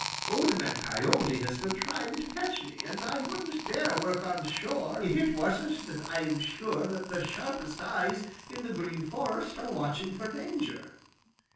Old Man Coyote has been trying to catch me, and I wouldn't dare work on shore if it wasn't that I am sure that the sharpest eyes in the Green Forest are watching for danger."